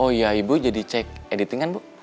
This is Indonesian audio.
oh iya ibu jadi cek editingan bu